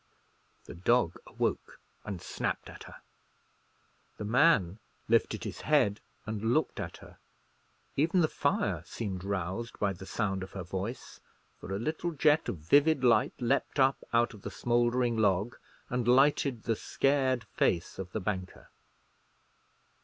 The dog awoke, and snapped at her. The man lifted his head, and looked at her. Even the fire seemed roused by the sound of her voice! for a little jet of vivid light leaped up out of the smouldering log, and lighted the scared face of the banker.